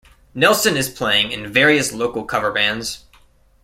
Nelson is playing in various local cover bands.